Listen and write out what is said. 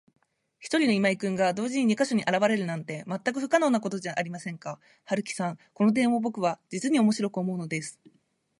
ひとりの今井君が、同時に二ヵ所にあらわれるなんて、まったく不可能なことじゃありませんか。春木さん、この点をぼくは、じつにおもしろく思うのです。